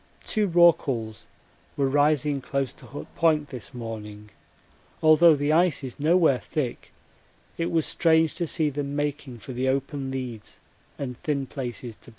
Two rorquals were rising close to Hut Point this morning although the ice is nowhere thick it was strange to see them making for the open leads and thin places to blow.